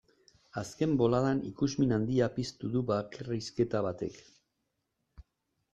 Azken boladan ikusmin handia piztu du bakarrizketa batek.